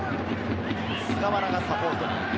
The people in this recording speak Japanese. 菅原がサポートに入る。